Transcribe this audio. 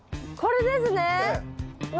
これですね？